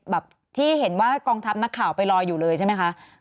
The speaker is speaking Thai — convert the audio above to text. แบบที่เห็นว่ากองทัพนักข่าวไปรออยู่เลยใช่ไหมคะ